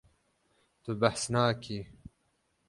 Tu behs nakî.